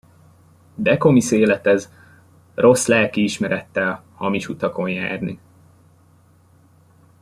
De komisz élet ez: rossz lelkiismerettel hamis utakon járni!